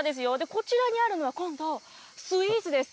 こちらにあるのは、今度スイーツです。